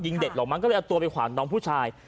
เด็กหรอกมั้งก็เลยเอาตัวไปขวางน้องผู้ชาย